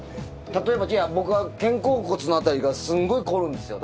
例えば僕は肩甲骨の辺りがすんごい凝るんですよ。